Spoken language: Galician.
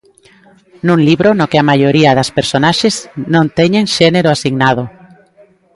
Nun libro no que a maioría das personaxes non teñen xénero asignado.